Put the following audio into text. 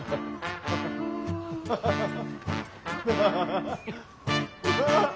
ハハハハ。